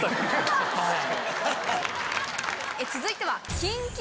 続いては。